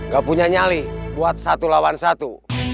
gak punya nyali buat satu lawan satu